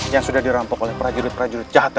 yang sudah dirampok oleh prajurit prajurit jahat